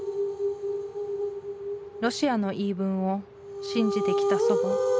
ロシアの言い分を信じてきた祖母。